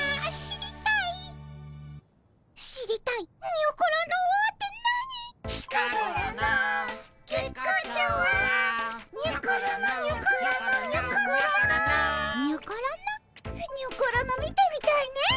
にょころの見てみたいね。